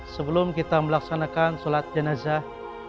sebelum kita melaksanakan sholat jenazah